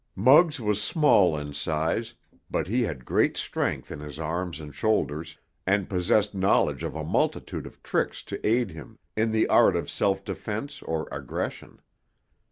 Muggs was small in size, but he had great strength in his arms and shoulders, and possessed knowledge of a multitude of tricks to aid him in the art of self defense or aggression.